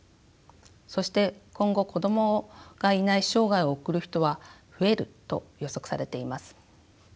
そして今後子どもがいない生涯を送る人は増えると予測されています。